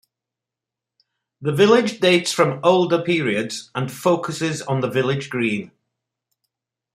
The village dates from older periods and focuses on the village green.